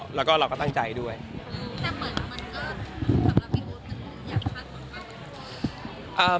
แต่เหมือนมันก็สำหรับพี่โอ๊ตอยากคาดหวังมากกว่านี้หรือเปล่า